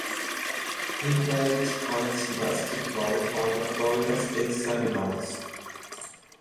He played college basketball for the Florida State Seminoles.